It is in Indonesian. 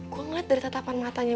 gue ngeliat dari tetapan matanya